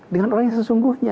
dengan orang yang sesungguhnya